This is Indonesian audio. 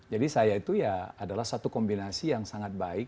jadi saya itu ya adalah satu kombinasi yang sangat banyak